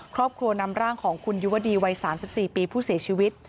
ครอบครัวนำร่างของคุณยุวดีวัย๓๔ปีผู้เสียชีวิต